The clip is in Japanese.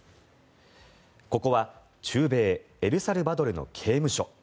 ここは中米エルサルバドルの刑務所。